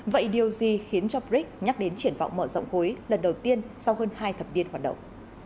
vậy điều gì khiến cho brics nhắc đến triển vọng mở rộng khối lần đầu tiên sau hơn hai thập niên hoạt động